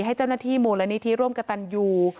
ให้เจ้าหน้าที่มูลนิธิร่วมกับตันยู